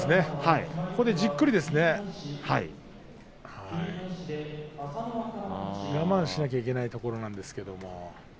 じっくりと我慢しなければいけないところなんですけれど。